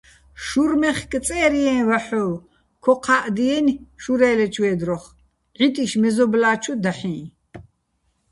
შურ მეხკწე́რჲიეჼ ვაჰ̦ოვ, ქო ჴა́ჸდიენი̆ შურე́ლეჩო̆ ვე́დროხ, ჺიტიშ მეზობლა́ჩუ დაჰ̦იჼ.